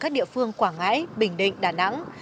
địa phương quảng ngãi bình định đà nẵng